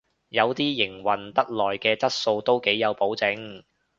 有啲營運得耐嘅質素都幾有保證